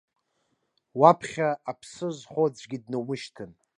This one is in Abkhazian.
Уаԥхьа аԥсы зхоу аӡәгьы дноумышьҭын.